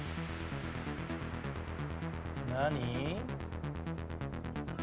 何？